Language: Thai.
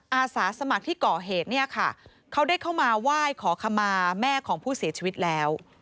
อาสาสมัครที่ก่อเหตุเนี่ยค่ะเขาได้เข้ามาไหว้ขอขมาแม่ของผู้เสียชีวิตแล้ว